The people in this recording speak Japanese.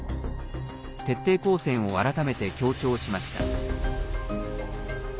徹底抗戦を改めて強調しました。